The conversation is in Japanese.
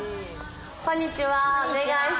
こんにちは。